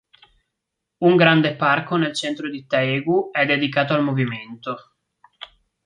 Un grande parco nel centro di Taegu è dedicato al movimento.